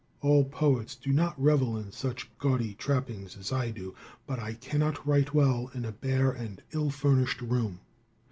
All poets do not revel in such gaudy trappings as I do, but I cannot write well in a bare and ill furnished room.